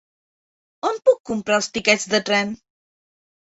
On puc comprar els tiquets de tren?